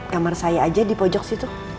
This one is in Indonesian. kamar saya aja di pojok situ